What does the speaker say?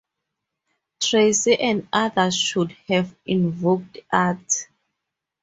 Tracey and others should have invoked Art.